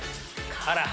あら！